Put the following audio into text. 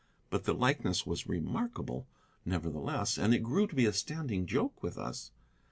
But the likeness was remarkable, nevertheless, and it grew to be a standing joke with us.